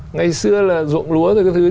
ngày xưa là dụng lúa rồi cái thứ